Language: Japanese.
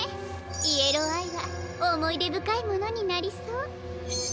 イエローアイはおもいでぶかいものになりそう。